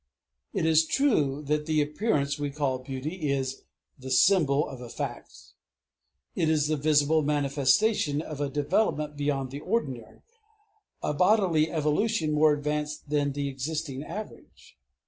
It is true that the appearance we call beauty is the symbol of a fact, is the visible manifestation of a development beyond the ordinary, a bodily evolution more advanced than the existing average.